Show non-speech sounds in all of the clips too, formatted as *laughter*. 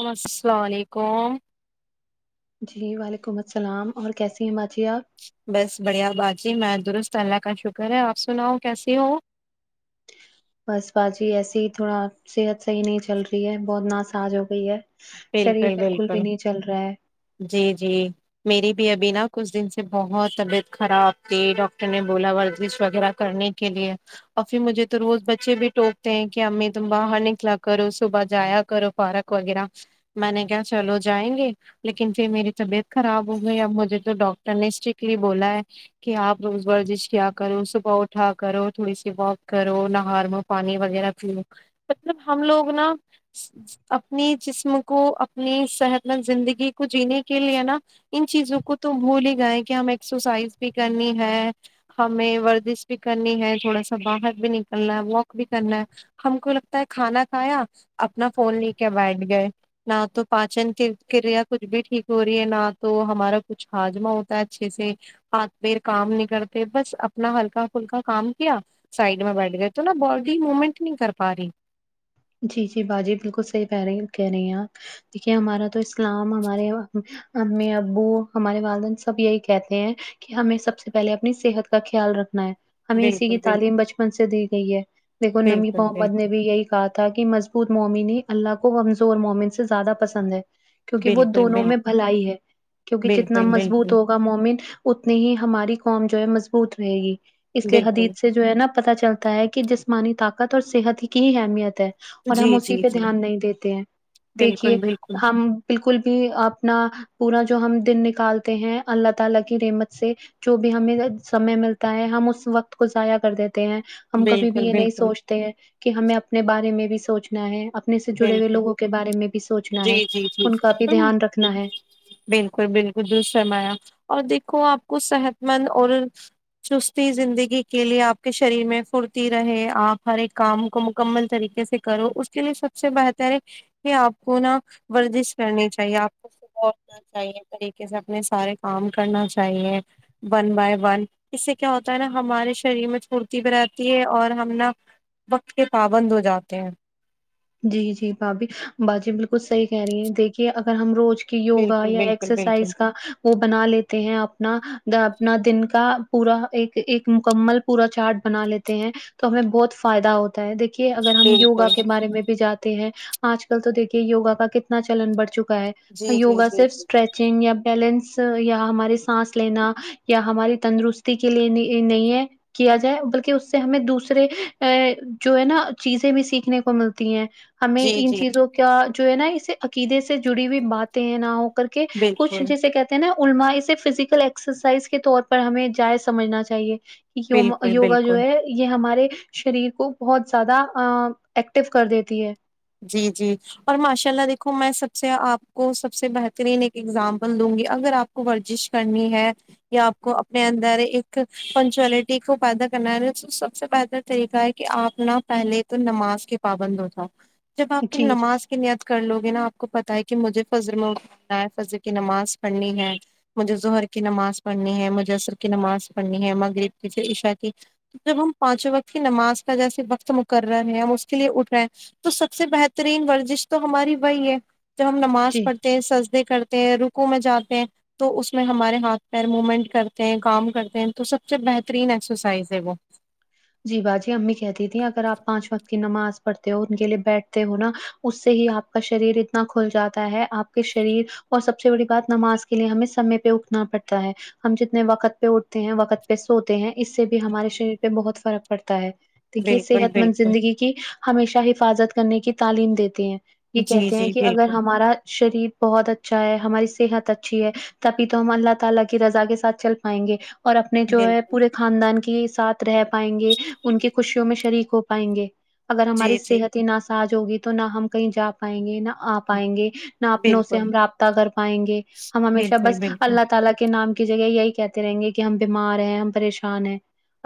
و السلام علیکم جی وعلیکم السلام اور کیسی ہیں باجی آپ بس بڑھیا باجی میں درست اللہ کا شکر ہے آپ سناؤ کیسی ہو بس باجی ایسی ہی تھوڑا صحت صحیح نہیں چل رہی ہے بہت ناساج ہو گئی ہے شریر بالکل بھی نہیں چل رہا ہے جی جی میری بھی ابھی نا کچھ دن سے بہت طبیعت خراب تھی ڈاکٹر نے بولا ورزش وغیرہ کرنی کے لیے اور پھر مجھے تو روز بچے بھی ٹوکتے ہیں کہ امی تم باہر نکلا کرو صبح جایا کرو پارک وغیرہ میں نے کیا چلو جائیں گے لیکن پھر میری طبیعت خراب ہو گئی اب مجھے تو ڈاکٹر نے اسٹرکٹلی بولا ہے کہ آپ روز ورزش کیا کرو صبح اٹھا کرو تھوڑی سی واک کرو نہار م پانی وغیرہ پی لو مطلب ہم لوگ نا اپنی جس ہم کو اپنی صحت مند زندگی کو جینے کے لیے نا ان چیزوں کو تو بھول ہی گئے کہ ہم ایکسرسائز بھی کرنی ہے ہمیں ورزش بھی کرنی ہے تھوڑا سا باہر بھی نکلنا ہے واک بھی کرنا ہے ہم کو لگتا ہے کھانا کھایا اپنا فون لے کے بیٹھ گئے نہ تو پاچن کی کریا کچھ بھی ٹھیک ہو رہی ہے نہ تو ہمارا کچھ ہاجمہ ہوتا ہے اچھے سے ہاتھ پیر کام نہیں کرتے بس اپنا ہلکا پلکا کام کیا سائڈ میں بیٹھ گئے تو نا باڈی مومنٹ نہیں کر پا رہی جی جی باجی بالکل صحیح کہہ رہی کہہ رہی ہیں آپ دیکھیے ہمارا تو اسلام ہمارے امی ابو ہمارے والدن سب یہی کہتے ہیں کہ ہمیں سب سے پہلے اپنی صحت کا خیال رکھنا ہے ہمیں اسی بالکل کی بالکل تعلیم بچپن سے دی گئی ہے دیکھو نمی بالکل بالکل محمد نے بھی یہی کہا تکہ مضبوط مومنی اللہ کو کمزور مومن سے زیادہ پسند ہے کیونکہ وہ بالکل دونوں بال میں بھلائی ہے کیونکہ جتنا بالکل مضبوط بالکل ہو ہوگا مومن اتنی ہی ہماری قوم جو ہے مضبوط رہے گی اس لیے بالکل حدیت سے جو ہے نا پتہ چلتا ہے کہ جسمانی طاقت اور صحت ہی کی اہمیت ہے اور ہم جی اسی جی پہ جی دھیان نہیں دیتے ہیں بالکل دیکھیے بالکل ہم بالکل بھی اپنا پورا جو ہم دن نکالتے ہیں اللہ تعالی کی رحمت سے جو بھی ہمیں سمے ملتا ہے ہم اس وقت کو ضائع کر دیتے ہیں ہم کبھی بھی بالکل یہ نہیں بالکل سوچتے کہ ہمیں اپنے بارے میں بھی سوچنا ہے اب اپنے سے جڑے ہوئے بالکل لوگوں کے بارے میں بھی سوچنا جی ہے جی جی ان کا بھی ہم، دھیان رکھنا ہے بالکل بالکل درس فرمایا اور دیکھو آپ کو صحت مند اور چستی زندگی کے لیے آپ کے شریر میں پھرتی رہے آپ ہر ایک کام کو مکمل طریقے سے کرو اس کے لیے سب سے بہتر ہے کہ آپ کو نا ورزش کرنی چاہیے آپ کو اور نا چاہیے طریقے سے اپنے سارے کام کرنا چاہیے ون بائی ون اس سے کیا ہوتا ہے نا ہمارے شریر میں پورتی بھی رہتی ہے اور ہم نا وقت کے پابند ہو جاتے ہیں جی جی بھابھی باجی بالکل صحیح کہہ رہی ہیں دیکھیے اگر ہم روز کی کہیوگا بالکل یا بالکل بالکل ایکسرسائز کا وہ بنا لیتے ہیں اپنا اپنا دن کا پورا ایک ایک مکمل پورا چارٹ بنا لیتے ہیں تو ہمیں بہت فائدہ ہوتا ہے دیکھیے اگر ہم یوگا بالکل کے بارے میں جاتے ہیں آج کل تو دیکھیے یوگا کا کتنا چلن بڑھ چکا ہے جی جی جی وگا جی صرف اسٹریس چنگ یا بیلنس یا ہمارے سانس لینا یا ہماری تندرستی کے لیے نہیں نہیں ہے کیا جائے بلکہ اس سے ہمیں دوسرے ا جو ہے نا چیزیں بھی سیکھنے کو مل تی ہیں ہمیں جی ان جی چیزوں کا جو ہے نا اسے عقیدے سے جڑی ہوئی باتیں ہیں نہ کر کے کچھ بالکل جیسے کہ نا علما اسے فزیکل ایکسرسائز کے طور پر ہمیں جائ سمجھنا چاہیے یوم بالکل یوگا جو بالکل ہے یہ ہمارے شریر کو بہت زیادہ ایکٹیو کر دیتی ہے جی جی اور ماشاء اللہ دیکھو میں سب سے آپ کو سب سے بہترین ایک ایگزامپل دوں گی اگر آپ کو ورزش کرنی ہے یا آپ کو اپنے اندر ایک پنچوئلٹی کو پیدا کرنا ہے تو سب سے بہتر طریقہ ہے کہ آپ ن پہلے تو نماز کے پابند ہو جائے جب آپ کی جی جی نماز کی نیت کر لوگے نا آپ کو پتا ہے کہ مجھے فضر میں اٹھنا ہے فضر کی نماز پڑھنی ہے مجھے ظہر کی نماز پڑھنی ہے مجھے عصر کی نماز پڑھنی ہے مغرب کی پھر عشا کی جب ہم پانچوں وقت کی نماز کا جیسے وقت مقرر ہے ہم اس کے لیے اٹھ رہے ہیں تو سب سے بہترین ورزش تو ہماری وہی ہے جب ہم نماز جی پڑھ سجدے کرتے ہیں رکوع میں جاتے ہیں تو اس میں ہمارے ہاتھ پیر مومنٹ کرتے ہیں کام کرتے ہیں تو سب سے بہترین ایکسرسائز ہے وہ جی باجی امی کہتی تیں اگر آپ پانچ وقت کی نماز پڑھتے ہو ان کے لیے بیٹھتے ہو نا اس سے ہی آپ کا شریر اتنا کھل جاتا ہے آپ کے شریر اور سب سے بڑی بات نماز کے لیے ہمیں سمے پہ اٹھنا پڑتا ہے ہم جتنے وقت پہ اٹھتے ہیں وقت پہ سوتے ہیں اس سے بھی ہمارے شریر پہ بہت فرق پڑتا ہے دیکھئے بالکل صحت مند بالکل زندگی کہ ہمیشہ حفاظت کرنے کی تعلیم دیتے ہیں یہ جی کہتے ہیں جی کہ اگر بالکل ہمارا شریر بہت اچھا ہے ہماری صحت اچھی ہے تبھی تو ہم اللہ تعالی کی رضا کے ساتھ چل پائیں گے اور اپنے جو ہے بالکل پورے خاندان کے ساتھ رہ پائیں گے ان کی خوشیوں میں شریک ہو پائیں گے اگر ہماری جی جی صحت ہی ناساج ہوگی تو نہ ہم کہیں جا پائیں گے نہ آ پائیں گے نا اپنوں سے بالکل ہم رابطہ کر پائیں گے ہم ہمیشہ بالکل بس بالکل اللہ تعالی کے نام کی جگہ یہی کہتے رہیں گے کہ ہم بیمار ہیں ہم پریشان ہیں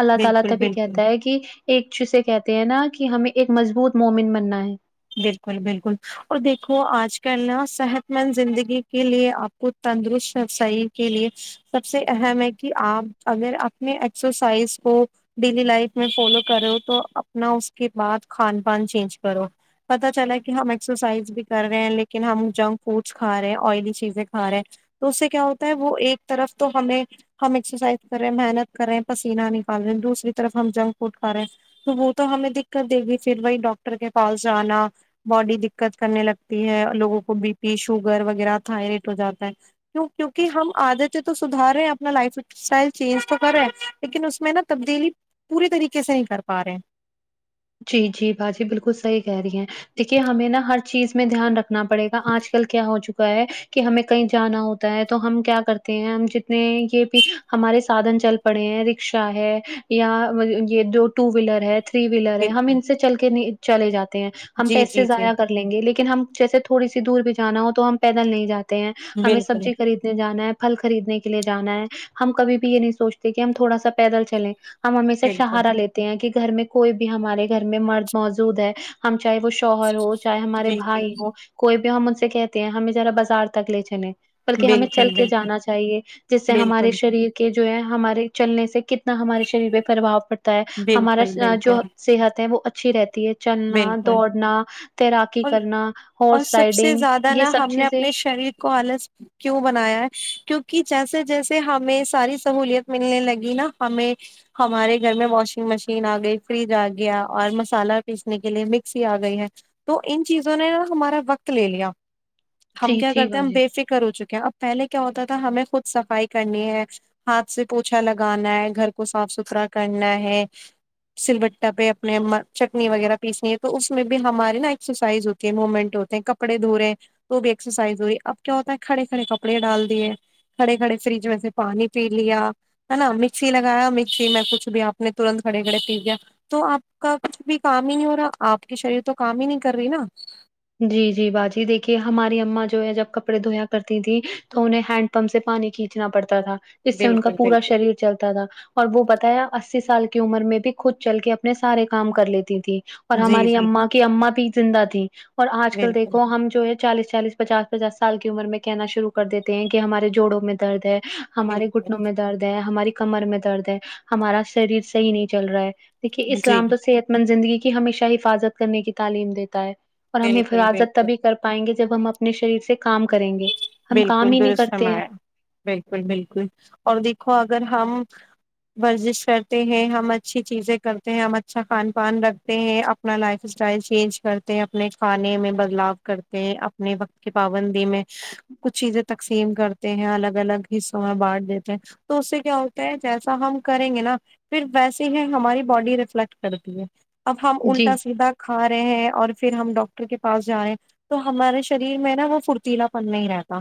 اللہ تعالی بالکل تب بالکل کہ ایک چے کہتے ہیں نا کہ ہمیں ایک مضبوط مومن بننا ہے بالکل بالکل اور دیکھو آج کل نا صحت مند زندگی کے لیے آپ کو تندرست سریر کے لیے سب سے اہم ہے کہ آپ اگر اپنے ایکسرسائز کو ڈیلی لائف میں فالو کرو تو اپنا اس کے بعد کھان پان چینج کرو پتا چلا کہ ہم ایکسرسائز بھی کر رہے ہیں لیکن ہم جنک فوڈس کھا رہے ہیں آئلی چیزیں کھا رہے ہیں تو اس سے کیا ہوتا ہے وہ ایک طرف تو ہمیں ہم ایکسرسائز کرے ہیں محنت کر رہے ہیں پسینہ نکال رہے دوسری طرف ہم جنک فوڈ کھا رہے ہیں تو وہ تو ہمیں دقت دے گی پھر وہی ڈاکٹر کے پاس جانا باڈی دقت کرنے لگتی ہے لوگوں کو بی پی شوگر وغیرہ تھائریٹ ہو جاتا ہے کیوں کیونکہ ہم عادتیں تو سدار رہے ہیں اپنا لائف اسٹائل چینج تو کر رہے ہیں لیکن اس میں نا تبدیلی پوری طریقے سے نہیں کر پا رہے ہیں جی جی باجی بالکل صحیح کہہ رہی ہیں دیکھیے ہمیں نا ہر چیز میں دھیان رکھ نا پڑے گا آج کل کیا ہو چکا ہے ہ کہ ہمیں کہیں جانا ہوتا ہے تو ہم کیا کرتے ہیں ہم جتنے یہ بھی ہمارے سادھن چل پڑے ہیں رکشا ہے یا یہ دو ٹو ویلر ہے تھری وی ہم بالکل ان سے چل کے نہیں چلے جاتے ہیں ہم جی پیسے جی جی ضائع کر لگیں لیکن ہم جیسے تھوڑی سی دور بھی جانا ہو تو ہم پیدل نہیں جا یہ ہیں ہمیں بالکل سبزی خریدنے جانا ہے پھل خریدنے کے لیے جانا ہے ہم کبھی بھی یہ نہیں سوچتے کہ ہم تھوڑا سا پیدل چلیں ہم ہمشہ بالکل سہارا لیتے ہیں کہ گھر میں کوئی بھی ہمارے گھر میں مرد موجود ہے ہم چاہے وہ شوہر ہو چاہے ہمارے جی جی بھائی ہو کوئی بھی ہم ان سے کہتے ہیں ہمیں ذرا بازار تک لے چلیں بلکہ ہمیں چل بالکل کے بالکل جانا چاہیے جس سے ہمارے بالکل شریر کہ جو ہے ہمارے چلنے سے کتنا ہمارے شریر پہ پرباؤ پڑتا ہے ہمارا بالکل س جو بالکل صحت ہے وہ اچھی رہتی ہے چلنا بالکل دوڑنا تیراکی اور کرنا اور ہارس سب سے رائڈنگ زیادہ یہ نا سب ہم نے چیزیں اپنے شریر کو آلس کیوں بنایا ہے کیونکہ جیسے جیسے ہمیں ساری سہولت ملنے لگی نا ہمیں ہمارے گھر میں واشنگ مشین آ گئی فریج آ گیا اور مسالہ پیسنے کے لیے مکسی آ گئی ہے تو ان چیزوں نے ہمارا وقت لے لیا ہم جی کیا جی کرتے ہیں ہم باجی بے فکر ہو چکے ہیں اب پہلے کیا ہوتا تھا ہمیں خود صفائی کرنی ہے ہاتھ سے پوچھا لگانا ہے گھر کو صاف ستھرا کرنا ہے سل بٹا پہ اپنے ما چٹ نی وغیرہ پیسنی ہے تو اس میں بھی ہماری نا ایکسرسائز ہوتی ہے موومنٹ ہوتے ہیں کپڑے دھو رے ہیں تو بھی ایکسرسائز ہوئی اب کیا ہوتا ہے کھڑے کھڑے کپڑے ڈال دیے کھڑے کھڑے فریج میں سے پانی پی لیا ہے نا مکسی لگایا مکسی میں کچھ بھی آپ نے ترنت کھڑے کھڑے پی گیا تو آپ کا کچھ بھی کام ہی نہیں ہو رہا آپ کی شریر تو کام ہی نہیں کر رہی نا جی جی باجی دیکھیے ہماری اما جو ہے جب کپڑے دھویا کرتی تھیں تو انہیں ہینڈ پمپ سے پانی کھینچنا پڑتا تھا جس سے ان کا بالکل پورا بالکل شریر چلتا تھا اور وہ بتایا اسی سال کی عمر میں بھی خود چل کے اپنے سارے کام کر لیتی تھی اور جی ہماری جی اما کی اما بھی زندہ تھی اور آج کل بالکل دیکھو ہم جو ہے چالیس چالیس پچاس پچاس سال کی عمر میں کہنا شروع کر دیتے ہیں کہ ہمارے جوڑوں میں درد ہے ہ ہمارے گھٹنوں بالکل میں درد ہے ہماری کمر میں درد ہے ہمارا شریر صحیح نہیں چل رہا ہے دیکھیے جی اسلام تو صحت مند زندگی کی ہمیشہ حفاظت کرنے کی تعلیم دیتا ہے اور ہم بالکل حفاظت بالکل تبھی کر پائیں گے جب ہم اب اپنے شریر سے کام کریں گے ہم کام بالکل ہی نہیں درست کرتے ہیں فرمایا بالکل بالکل اور دیکھو اگر ہم ورزش کرتے ہیں ہم اچھی چیزیں کرتے ہیں ہم اچھا کھان پان رکھتے ہیں اپنا لائف اسٹائل چینج کرتے ہیں اپنے کھانے میں بدلاؤ کرتے ہیں اپنے وقت کی پابندی میں کچھ چیزیں تقسیم کرتے ہیں الگ الگ حصوں میں بانٹ دیتے ہیں تو اس سے کیا ہوتا ہے جیسا ہم کریں گے نا پھر ویسے ہی ہماری باڈی ریفلیکٹ کرتی ہے اب ہم جی الٹا سیدھا کھا رہے ہیں اور پھر ہم ڈاکٹر کے پاس جا رہے ہیں تو ہمارے شریر میں نا وہ فرتیلا پن نہیں رہتا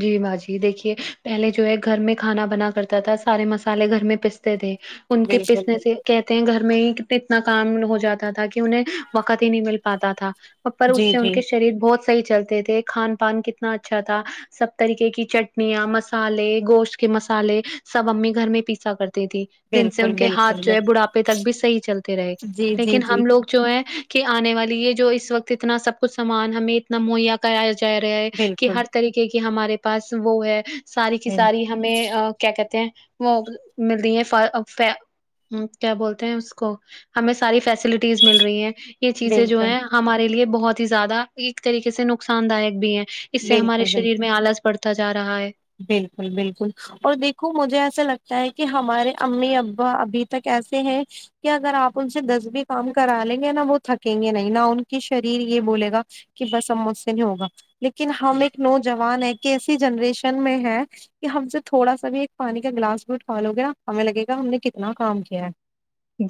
جی با جی دیکھیے پہلے جو ہے گھر میں کھانا بنا کرتا تھا سارے مسالے گھر میں پستے تھے ان کے بالکل بالکل پسنے سے کہتے ہیں گھر میں ہی اتنا کام ہو جاتا تھا کہ انہیں وقت ہی نہیں مل پاتا تھا پر اس جی سے ان جی کے شریر بہت صحیح چلتے تھے کھان پان کتنا اچھا تھا سب طریقے کی چٹنیاں مسالے گوشت کے مسالے سب امی گھر میں پیسا کرتی تھی جن سے بالکل ان بالکل کے ہاتھ جو بالکل، ہے بڑھاپے تک بھی صحیح چلتے رہے جی جی لیکن جی ہم لوگ جو ہے کہ آنے والی ہے جو اس وقت اتنا سب کچھ سامان ہمیں اتنا مہیا کہیا جا رہا ہے کہ بالکل ہر طریقے کی ہمارے پاس وہ ہے ساری کی بل- ساری ہمیں کیا کہتے ہیں وہ ملتی *unintelligible* ہے کیا بولتے ہیں اس کو ہمیں ساری فیسلٹیز مل رہی ہیں یہ چیزیں جو بالکل ہے ہمارے لیے بہت ہی زیادہ ایک طریقے سے نقصان دایک بھی ہے اس سے ہمارے بالکل شریر بالکل میں آلس پڑتا جا رہا ہے بالکل بالکل اور دیکھو مجھے ایسا لگتا ہے کہ ہمارے امی ابا ابھی تک ایسے ہیں کہ اگر آپ ان سے دس بھی کام کرا لیں گے نا وہ تھکیں گے نہیں نہ ان کی شریر یہ بولے گا کہ بس اب مجھ سے نہیں ہوگا لیکن ہم ایک نوجوان ہے کہ ایسی جنریشن میں ہے کہ ہم سے تھوڑا سا بھی ایک پانی کا گلاس بھی اٹھوا لو گے ہمیں لگے گا ہم نے کتنا کام کیا ہے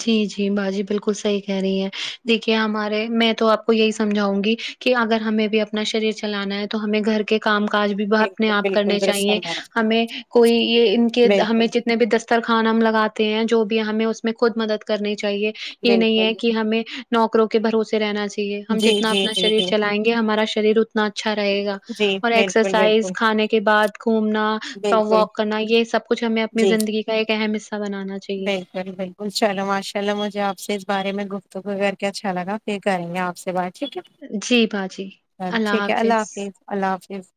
جی جی باجی بالکل صحیح کہہ رہی ہیں دیکھیے ہمارے میں تو آپ کو یہی سمجھاؤں گی کہ اگر ہمیں بھی اپنا شریر چلانا ہے تو ہمیں گھر کے کام کاج بھی وہ اپنے بالکل آپ کرنے بالکل درست چاہیے فرمایا ہمیں کوئی یہ ان کے ہمیں بالکل میں بھی دسترخانا ہم لگاتے ہیں جو بھی ہمیں اس میں خود مدد کرنی چاہیے یہ نہیں بالکل ہے کہ ہمیں نوکروں کے بھروسے رہنا چاہ ہم جی جتنا جی اپنا جی شریر جی چلائیں گے ہمارا شریر اتنا اچھا رہے گا جی اور بالکل ایکسرسائز بالکل کھانے کے بعد گھومنا بالکل واک کرنا یہ سب کچھ ہمیں اپنی جی زندگی کا ایک اہم حصہ بنانا چ *unintelligible* بالکل چلو ماشاء اللہ مجھے آپ سے اس بارے میں گفتگو کر کے اچھا لگا پھر کریں گے آپ سے بات ٹھیک ہے ٹھیک ہے اللہ حافظ اللہ حافظ